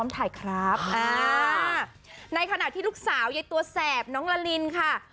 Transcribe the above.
ที่ลูกสาวไยตัวแสบน้องละลินค่ะ